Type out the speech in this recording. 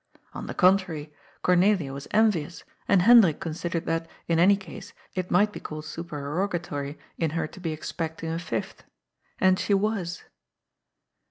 On the contrary, Cornelia was envious, and Hendrik considered that, in any case, it might be called supereroga tory in her to be expecting a fifth. As she wits.